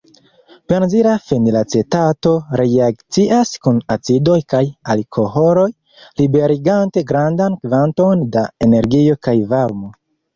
Benzila fenilacetato reakcias kun acidoj kaj alkoholoj liberigante grandan kvanton da energio kaj varmo.